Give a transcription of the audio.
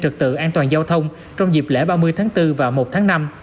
trật tự an toàn giao thông trong dịp lễ ba mươi tháng bốn và một tháng năm